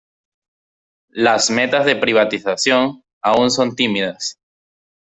Las metas de privatización aún son tímidas.